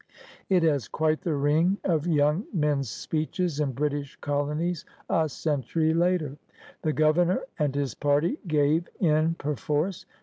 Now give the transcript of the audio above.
" It has quite the ring of young men's speeches in British colonies a century later! The Governor and his party gave in perforce.